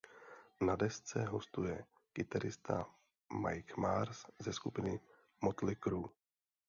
Na desce hostuje kytarista Mick Mars ze skupiny Mötley Crüe.